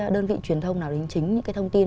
đơn vị truyền thông nào đính chính những cái thông tin